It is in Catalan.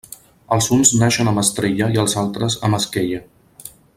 Els uns naixen amb estrella i els altres, amb esquella.